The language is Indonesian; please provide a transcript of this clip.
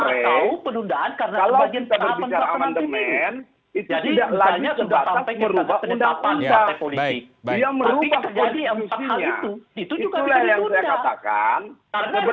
sekarang sudah meralat ucapannya